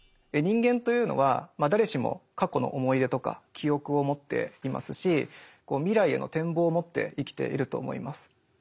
人間というのは誰しも過去の思い出とか記憶を持っていますし未来への展望を持って生きていると思います。